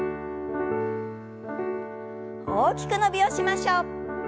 大きく伸びをしましょう。